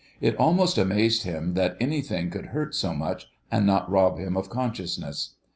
It almost amazed him that anything could hurt so much and not rob him of consciousness.